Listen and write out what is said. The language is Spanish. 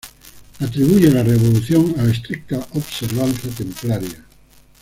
Atribuye la revolución a la estricta observancia templaria.